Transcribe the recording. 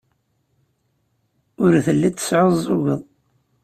Ur telliḍ tesɛuẓẓugeḍ.